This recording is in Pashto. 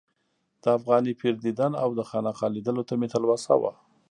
د افغاني پیر دیدن او د خانقا لیدلو ته مې تلوسه وه.